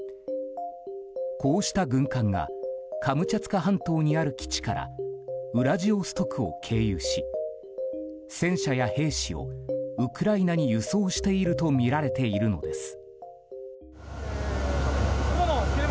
こうした軍艦がカムチャツカ半島にある基地からウラジオストクを経由し戦車や兵士をウクライナに輸送しているとみられているのです。